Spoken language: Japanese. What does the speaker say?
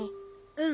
うん。